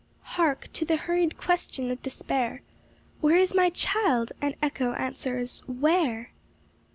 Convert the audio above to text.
"Hark! to the hurried question of despair: 'Where is my child?' and echo answers 'where?'"